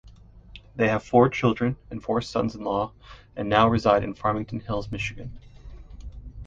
They have four children and four sons-in-law and now reside in Farmington Hills, Michigan.